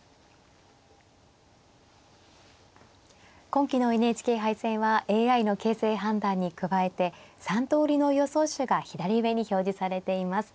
今期のＮＨＫ杯戦はＡＩの形勢判断に加えて３通りの予想手が左上に表示されています。